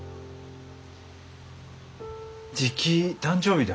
じき誕生日だろう？